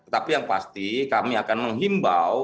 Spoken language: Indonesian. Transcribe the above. tapi yang pasti kami akan menghimpau